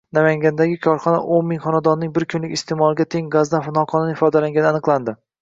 Namangandagi korxonao´nming xonadonningbirkunlik iste’moliga teng gazdan noqonuniy foydalangani aniqlandi